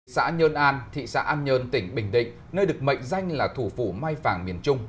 xã nhơn an thị xã an nhơn tỉnh bình định nơi được mệnh danh là thủ phủ mai phẳng miền trung